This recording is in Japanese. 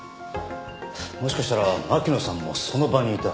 もしかしたら巻乃さんもその場にいた？